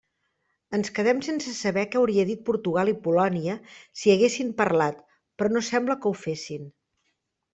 Ens quedem sense saber què haurien dit Portugal i Polònia si haguessin parlat, però no sembla que ho fessin.